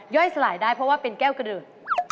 สลายได้เพราะว่าเป็นแก้วกระดือ